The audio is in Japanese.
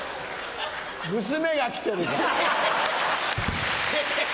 娘が来てるから！